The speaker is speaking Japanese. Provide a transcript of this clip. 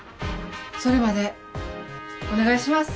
それまでお願いします。